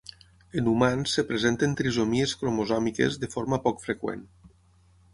En humans es presenten trisomies cromosòmiques de forma poc freqüent.